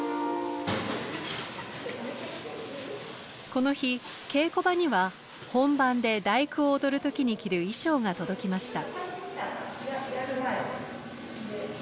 この日稽古場には本番で「第９」を踊る時に着る衣装が届きました。